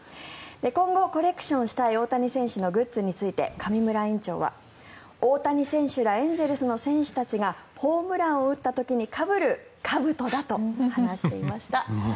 今後、コレクションしたい大谷選手のグッズについて上村院長は、大谷選手らエンゼルスの選手たちがホームランを打った時にかぶるかぶとだと話していました。